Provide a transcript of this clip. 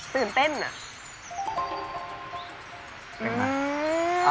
สนิทันนะ